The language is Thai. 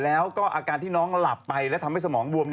อาการที่น้องหลับไปและทำให้สมองบวม